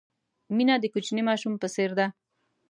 مینه د کوچني ماشوم په څېر ده.